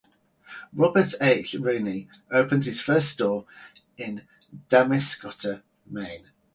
Robert H. Reny opened his first store in Damariscotta, Maine.